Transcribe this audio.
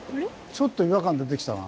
ちょっと違和感出てきたな。